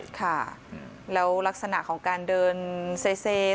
แล้วลักษณะของการเดินเซซี